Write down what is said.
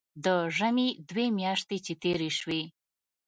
د ژمي دوې مياشتې چې تېرې سوې.